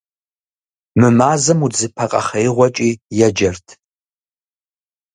Мы мазэм удзыпэ къэхъеигъуэкӀи еджэрт.